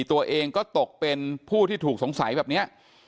ตัวเองก็ตกเป็นผู้ที่ถูกสงสัยแบบนี้